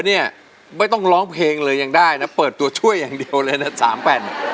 เนี่ยไม่ต้องร้องเพลงเลยยังได้นะเปิดตัวช่วยอย่างเดียวเลยนะ๓แผ่น